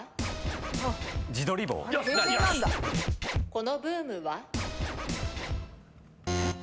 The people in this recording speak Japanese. このブームは？